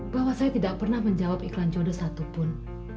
bahwa saya tidak pernah menjawab iklan jodoh satupun